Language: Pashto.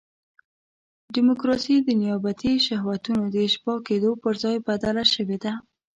ډیموکراسي د نیابتي شهوتونو د اشباع کېدو پر ځای بدله شوې ده.